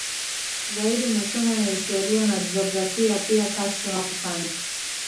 Zaidi masomo ya Historia na Jiografia pia Castro hakufanya